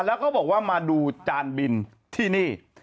แล้วก็บอกว่ามาดูจานบินที่นี่